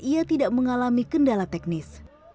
ia tidak mengalami kendala teknis